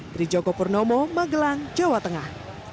dari joko purnomo magelang jawa tengah